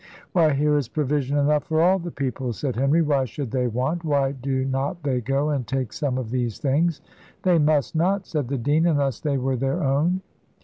"Why, here is provision enough for all the people," said Henry; "why should they want? why do not they go and take some of these things?" "They must not," said the dean, "unless they were their own."